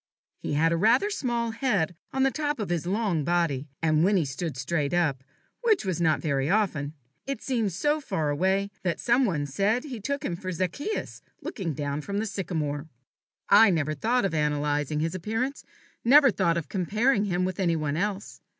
He had rather a small head on the top of his long body; and when he stood straight up, which was not very often, it seemed so far away, that some one said he took him for Zacchaeus looking down from the sycomore. I never thought of analyzing his appearance, never thought of comparing him with any one else.